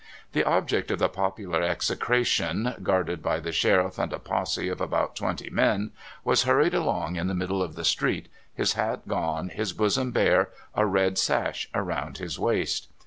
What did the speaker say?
The object of the popular execration, guarded by the sheriff and a posse of about twenty men, was hurried along in the middle of the street, his hat gone, his bosom bare, a red sash around his waist.